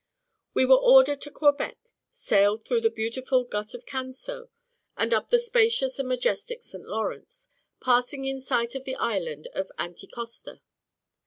We were ordered to Quebec, sailed through the beautiful Gut of Canso, and up the spacious and majestic St Lawrence, passing in sight of the Island of Anticosta.